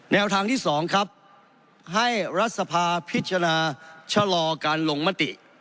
แนวทางที่๒ครับให้รัฐสภาพิจารณาชะลอการลงมติ